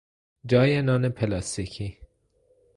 جای نان پلاستیکی